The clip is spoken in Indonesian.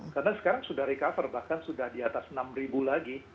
karena sekarang sudah recover bahkan sudah di atas enam ribu lagi